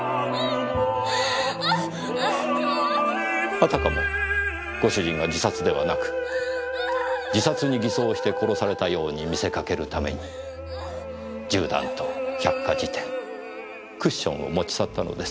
あたかもご主人が自殺ではなく自殺に偽装して殺されたように見せかけるために銃弾と百科事典クッションを持ち去ったのです。